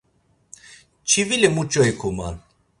Çivili muç̌o ikuman?